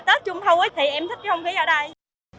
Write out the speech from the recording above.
tết trung thu thì em thích cái không khí ở đây